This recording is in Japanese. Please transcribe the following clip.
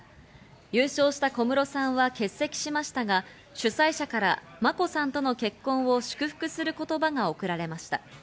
優勝した小室さんは欠席しましたが、主催者から眞子さんとの結婚を祝福する言葉がおくられました。